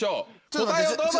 答えをどうぞ！